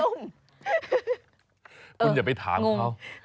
คุณอย่าไปถามเขา